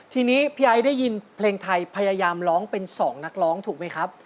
ทีนี้พี่ไอ้ได้ยินเพลงไทยพยายามร้องเป็นสองนักร้องถูกไหมครับ